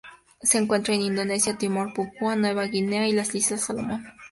Se encuentra en Indonesia, Timor, Papúa Nueva Guinea y las Islas Salomón.